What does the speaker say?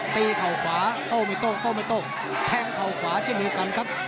ตีเข้าขวาโต้ไม่โต้โต้ไม่โต้แทงเข้าขวาจะมีกันครับ